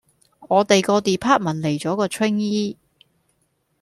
我哋個 Department 嚟咗個 Trainee